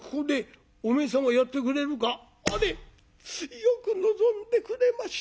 よく望んでくれました。